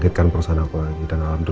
silahkan mbak mbak